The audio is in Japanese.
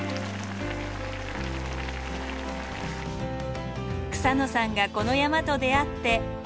草野さんがこの山と出会って４９年。